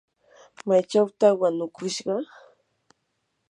¿maychawtaq wanukushqa?